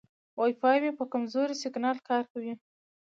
وای فای مې په کمزوري سیګنال کار کوي.